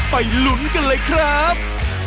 ไปลุ้นกันเลยครับ